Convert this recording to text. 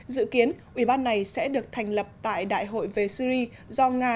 dự kiến ủy ban này sẽ được thành lập tại đại hội về syri do nga